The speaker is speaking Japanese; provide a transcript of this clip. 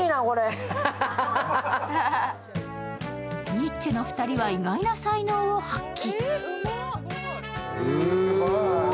ニッチェの２人は意外な才能を発揮。